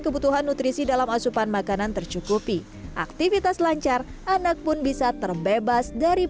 kebutuhan nutrisi dalam asupan makanan tercukupi aktivitas lancar anak pun bisa terbebas dari